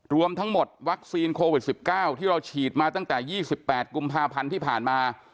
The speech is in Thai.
รวมทั้งหมดวัคซีนโควิด๑๙ที่เราฉีดมาตั้งแต่๒๘กุมภาพันธ์ที่ผ่านมา